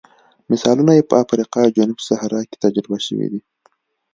مثالونه یې په افریقا جنوب صحرا کې تجربه شوي دي.